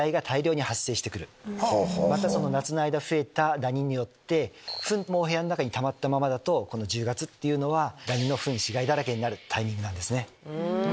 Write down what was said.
また夏の間に増えたダニによってフンもお部屋にたまったままだと１０月っていうのはダニのフン死骸だらけになるタイミングなんですね。